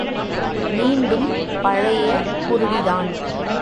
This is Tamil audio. மீண்டும் பழைய குருடிதான்.